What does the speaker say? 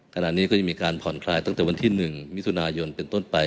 ขณะนี้ก็จะมีการผ่อนคลายตั้งแต่วันที่๑มิถุนายนเป็นต้นไป